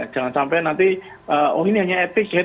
jangan sampai nanti oh ini hanya etik